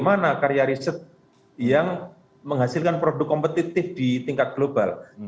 mana karya riset yang menghasilkan produk kompetitif di tingkat global